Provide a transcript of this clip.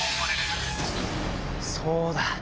そうだ！